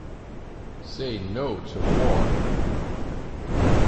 Say No To War!